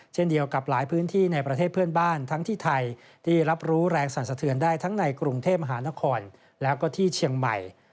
เช่นเดียวกับหลายพื้นที่ในประเทศเพื่อนบ้านทั้งที่ไทยที่รับรู้แรงสั่นสะเทือนได้ทั้งในกรุงเทพมหานครแล้วก็ที่เชียงใหม่